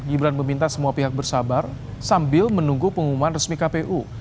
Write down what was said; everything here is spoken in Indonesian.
gibran meminta semua pihak bersabar sambil menunggu pengumuman resmi kpu